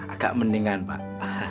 agak mendingan pak